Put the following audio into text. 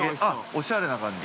◆おしゃれな感じ。